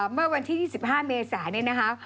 เมื่อวันที่๒๕เมษานี่นะคะ